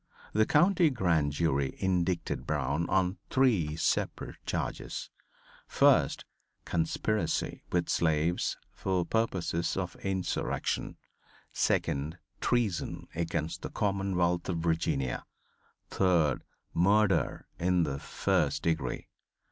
The county grand jury indicted Brown on three separate charges: first, conspiracy with slaves for purposes of insurrection; second, treason against the commonwealth of Virginia; third, murder in the first degree.